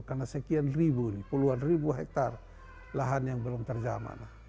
karena sekian ribu puluhan ribu hektare lahan yang belum terjamah